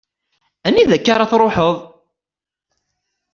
Anida akk-a ara truḥeḍ?